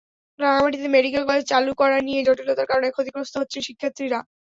রাঙামাটিতে medical college চালু করা নিয়ে জটিলতার কারণে ক্ষতিগ্রস্ত হচ্ছেন শিক্ষার্থীরা।